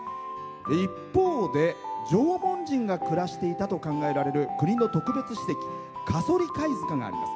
一方で、縄文人が暮らしていたと考えられる国の特別史跡加曽利貝塚があります。